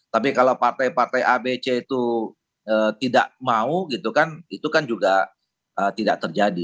tapi kalau partai partai abc itu tidak mau gitu kan itu kan juga tidak terjadi